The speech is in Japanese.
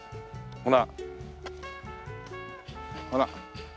ほら。